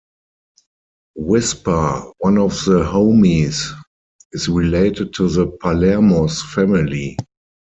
Whisper, one of the Homies, is related to the Palermos family.